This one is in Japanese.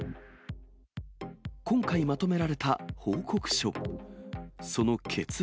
今回、まとめられた報告書。